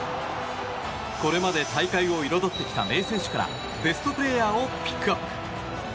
これまで大会を彩ってきた名選手からベストプレーヤーをピックアップ。